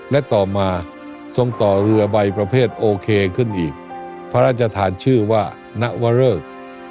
และต่อมาทรงต่อเรือใบประเภทโอเคขึ้นอีกพระราชทานชื่อว่านวเริก